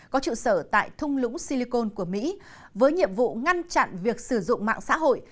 có trụ sở tại thung lũng silicon của mỹ với nhiệm vụ ngăn chặn việc sử dụng mạng xã hội